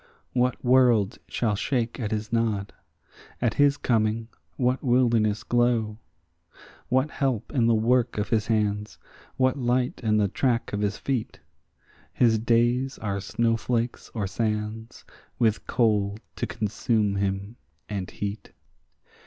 What world shall shake at his nod? at his coming what wilderness glow? What help in the work of his hands? what light in the track of his feet? His days are snowflakes or sands, with cold to consume him and heat.